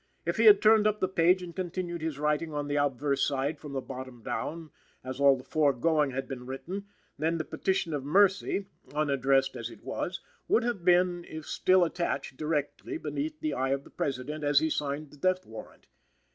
If he had turned up the page and continued his writing on the obverse side from the bottom down, as all the foregoing had been written, then the petition of mercy, unaddressed as it was, would have been, if still attached, directly beneath the eye of the President as he signed the death warrant.